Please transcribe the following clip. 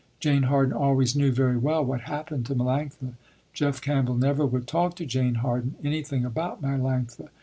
Jane Harden always knew very well what happened to Melanctha. Jeff Campbell never would talk to Jane Harden anything about Melanctha.